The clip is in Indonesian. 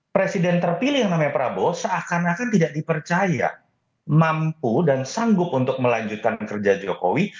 presiden terpilih yang namanya prabowo seakan akan tidak dipercaya mampu dan sanggup untuk melanjutkan kerja jokowi